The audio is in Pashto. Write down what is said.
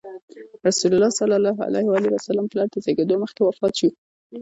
رسول الله ﷺ پلار د زېږېدو مخکې وفات شو.